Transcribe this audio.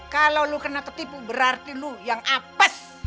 kalau lo kena ketipu berarti lu yang apes